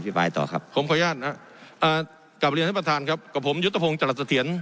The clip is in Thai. พี่ปลายต่อครับผมขออนุญาตนะเอ่อกับเรียนท่านประธานครับกับผมยุตภงจรรย์สะเถียน